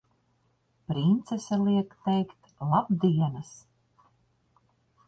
Princese liek teikt labdienas!